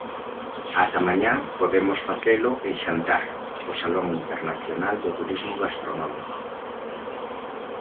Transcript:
Ata mañá podemos facelo en Xantar, o salón internacional do turismo gastronómico.